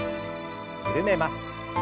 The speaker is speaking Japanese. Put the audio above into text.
緩めます。